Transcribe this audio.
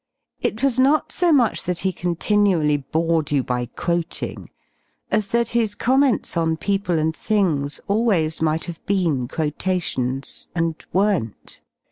It was not so much that he continually bored you by quoting, as that his comments on people and things ahvays might have been quotations, and weren*t.